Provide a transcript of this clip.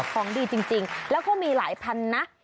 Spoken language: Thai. ของดีจริงแล้วก็มีหลายพันนะ